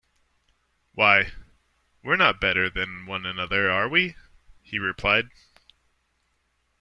“Why, we’re not better than one another, are we?” he replied.